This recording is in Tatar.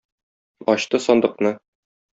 Ачты сандыкны.